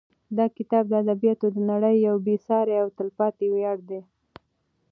دا کتاب د ادبیاتو د نړۍ یو بې سارې او تلپاتې ویاړ دی.